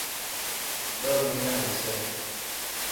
ٻه مهنا هلسي.